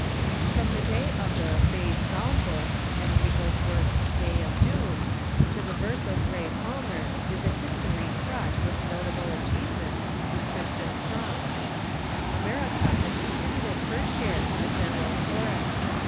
From the day of the " Bay Psalm Book" and Wigglesworth's "Day of Doom" to the verse of Ray Palmer is a history fraught with notable achievements in Christian song, ymno ogy ^j^^^j.jg,^ j^j^g contributed her share to the general chorus.